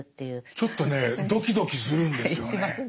ちょっとねドキドキするんですよね。